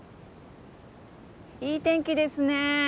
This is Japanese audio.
いい天気ですね。